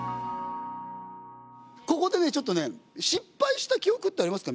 ここでねちょっとね失敗した記憶ってありますか？